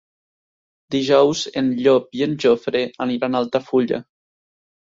Dijous en Llop i en Jofre aniran a Altafulla.